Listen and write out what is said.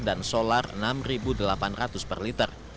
dan solar rp enam delapan ratus per liter